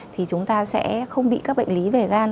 thì chúng ta sẽ không bị các bệnh lý về gan